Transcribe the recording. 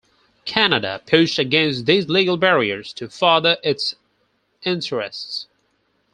Canada pushed against these legal barriers to further its interests.